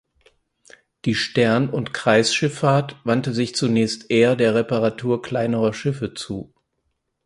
Die Stern und Kreisschiffahrt wandte sich zunächst eher der Reparatur kleinerer Schiffe zu.